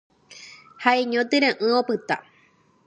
Ha'eño tyre'ỹ opyta.